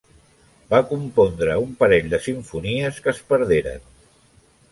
Va compondre un parell de simfonies que es perderen.